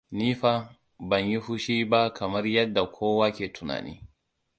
Ni fa ban yi fushi ba kamar yadda kowa ke tunani.